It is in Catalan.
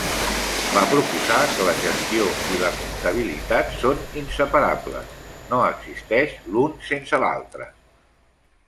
Va proposar que la gestió i la comptabilitat són inseparables, no existeix l'un sense l'altre.